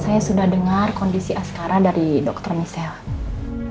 saya sudah dengar kondisi askara dari dr michelle